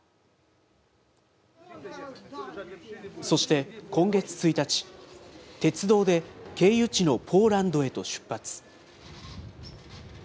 そして今月１日、鉄道で経由地のポーランドへと出発。